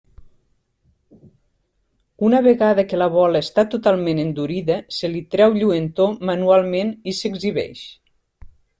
Una vegada que la bola està totalment endurida, se li treu lluentor manualment i s'exhibeix.